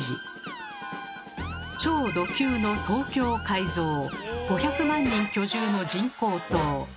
「超ド級の東京改造」「５００万人居住の人工島」。